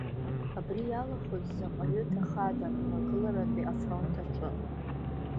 Абри иалахәыз заҟаҩы ҭахада Мрагыларатәи афронт аҿы.